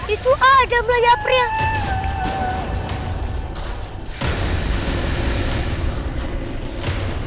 itu ada belaya april